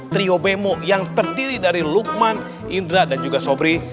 trio bemo yang terdiri dari lukman indra dan juga sobri